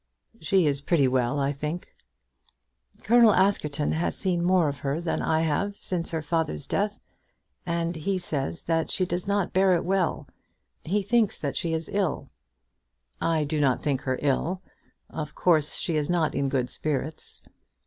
"She is pretty well, I think." "Colonel Askerton has seen more of her than I have since her father's death, and he says that she does not bear it well. He thinks that she is ill." "I do not think her ill. Of course she is not in good spirits."